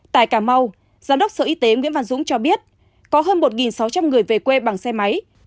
tại cà mau giám đốc sở y tế nguyễn văn dũng cho biết có hơn một sáu trăm linh người về quê bằng xe máy